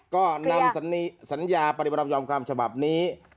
ก็นำสัญญาปฏิบัติธรรมยอมความฉบับนี้